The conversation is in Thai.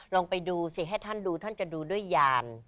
ลองไปดูสิให้ท่านดูท่านจะดูด้วยยาน